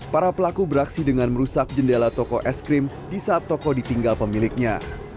para pelaku beraksi dengan merusak jendela toko es krim di saat toko ditinggal pemiliknya